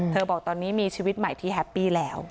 บอกตอนนี้มีชีวิตใหม่ที่แฮปปี้แล้ว